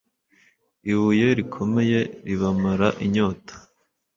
ibuye rikomeye ribamara inyota